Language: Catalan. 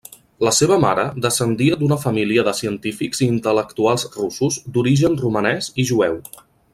La seva mare descendia d'una família de científics i intel·lectuals russos d'origen romanès i jueu.